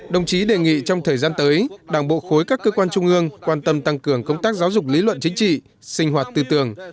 đồng chí đề nghị trong thời gian tới đảng bộ khối các cơ quan trung ương quan tâm tăng cường công tác giáo dục lý luận chính trị sinh hoạt tư tưởng